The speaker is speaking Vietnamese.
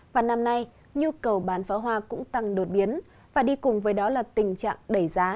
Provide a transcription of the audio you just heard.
và năm nay nhu cầu bán pháo hoa cũng tăng đột biến và đi cùng với đó là tình trạng đẩy giá